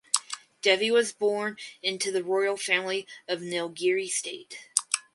Devi was born into the royal family of Nilgiri State.